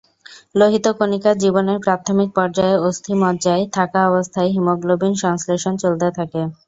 লোহিত কণিকার জীবনের প্রাথমিক পর্যায়ে অস্হিমজ্জায় থাকা অবস্হায় হিমোগ্লোবিন সংশ্লেষণ চলতে থাকে।